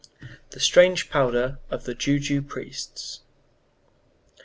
THE STRANGE POWDER OF THE JOU JOU PRIESTS.